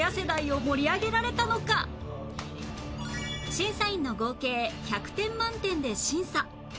審査員の合計１００点満点で審査